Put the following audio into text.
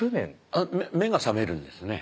目が覚めるんですね。